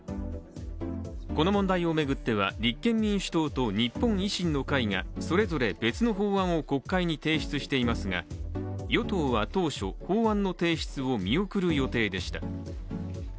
この問題を巡っては、立憲民主党と日本維新の会がそれぞれ別の法案を国会に提出していますが与党は当初、法案の提出を見送る予定でした。